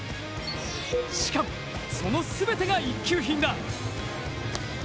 しかも、その全てが一級品だ。